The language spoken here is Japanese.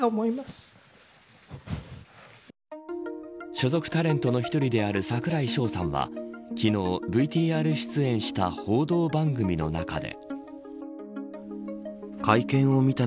所属タレントの１人である櫻井翔さんは昨日、ＶＴＲ出演した報道番組の中で。